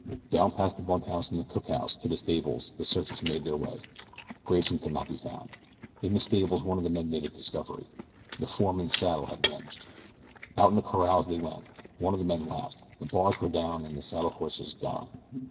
Down past the bunkhouse and the cookhouse to the stables the searchers made their way. Grayson could not be found. In the stables one of the men made a discovery the foreman's saddle had vanished. Out in the corrals they went. One of the men laughed the bars were down and the saddle horses gone.